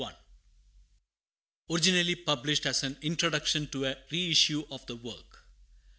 Originally published as an introduction to a reissue of the work.